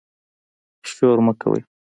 شور مه کوئ